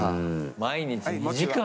毎日、２時間？